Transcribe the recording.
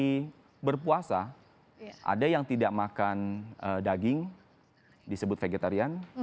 jadi berpuasa ada yang tidak makan daging disebut vegetarian